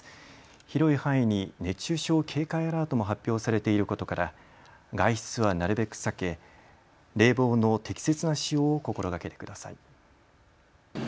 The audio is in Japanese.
広い範囲に熱中症警戒アラートも発表されていることから外出はなるべく避け冷房の適切な使用を心がけてください。